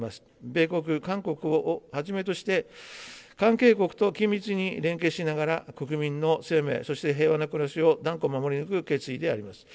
米国、韓国をはじめとして、関係国と緊密に連携しながら、国民の生命、そして平和な暮らしを断固守り抜く決意であります。